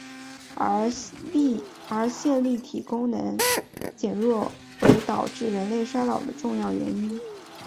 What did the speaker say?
而线粒体功能减弱为导致人类衰老的重要因素。